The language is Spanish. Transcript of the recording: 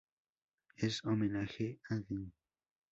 En homenaje a Dn.